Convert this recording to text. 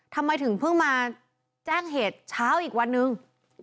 ทำไมถึงเพิ่งมาแจ้งเหตุเช้าอีกวันนึง